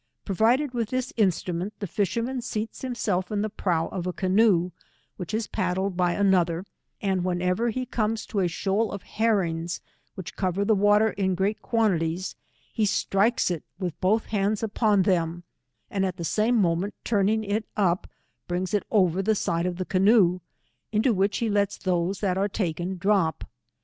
Provided with this instrument, the fisherman seats himself in the prow of a canoe, which is paddled by another, and whenever he comes to a shoal of herrings, which cover the water in great quantities, he strikes it with both hands upon them, and at the same mo ment turning it up, brings it over the side of the canoe, into which he lets those that are taken drop.